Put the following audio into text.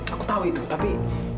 aku tahu itu tapi